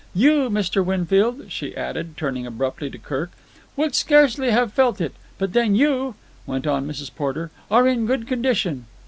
You, Mr. Winfield," she added, turning abruptly to Kirk, "would scarcely have felt it. But then you," went on Mrs. Porter, "are in good condition.